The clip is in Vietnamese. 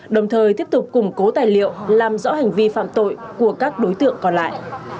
đồng thời tiếp tục củng cố tài liệu làm rõ hành vi phạm tội của các đối tượng còn lại